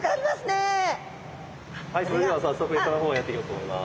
はいそれでは早速餌の方をやっていこうと思います。